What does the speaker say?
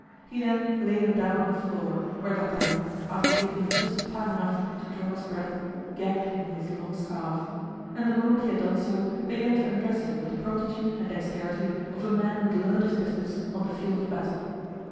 He then laid him down on the floor, where D'Artagnan, after giving him just time enough to draw his breath, gagged him with his long scarf; and the moment he had done so began to undress him with the promptitude and dexterity of a man who had learned his business on the field of battle.